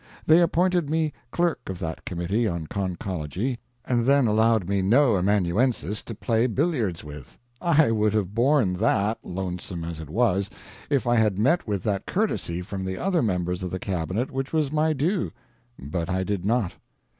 They appointed me clerk of that Committee on Conchology and then allowed me no amanuensis to play billiards with. I would have borne that, lonesome as it was, if I had met with that courtesy from the other members of the Cabinet which was my due. But I did not.